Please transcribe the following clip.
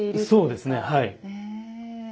そうですねはい。